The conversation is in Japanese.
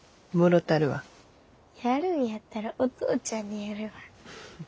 やるんやったらお父ちゃんにやるわ。